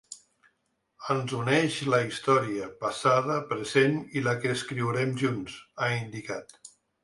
Ens uneix la història, passada, present, i la que escriurem junts, ha indicat.